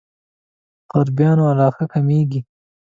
غريبانو علاقه کمېږي.